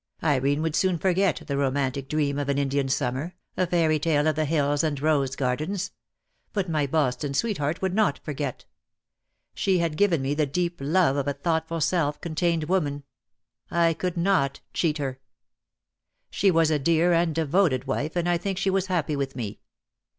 Irene would soon forget the romantic dream of an Indian summer, a fairy tale of the hills and rose gardens; but my Boston sweetheart would not forget. She had given me the deep love of a thoughtful self contained woman. I could not cheat her. "She was a dear and devoted wife, and I think she was happy with me.